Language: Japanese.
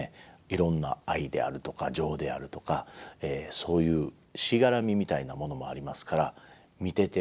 いろんな愛であるとか情であるとかそういうしがらみみたいなものもありますから見てて「あ分からないことはないな」。